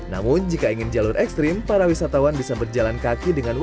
namun jika ingin jalur ekstrim para wisatawan bisa berjalan kaki dengan wajah